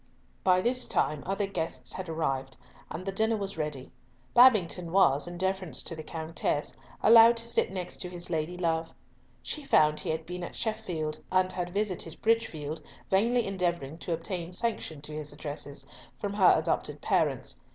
By this time other guests had arrived, and the dinner was ready. Babington was, in deference to the Countess, allowed to sit next to his lady love. She found he had been at Sheffield, and had visited Bridgefield, vainly endeavouring to obtain sanction to his addresses from her adopted parents.